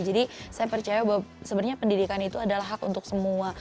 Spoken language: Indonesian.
jadi saya percaya bahwa sebenarnya pendidikan itu adalah hak untuk semua